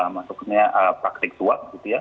maksudnya praktik suap gitu ya